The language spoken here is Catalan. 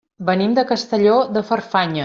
Venim de Castelló de Farfanya.